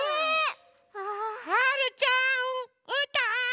・はるちゃんうーたん！